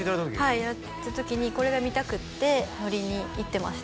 はいやった時にこれが見たくて乗りに行ってました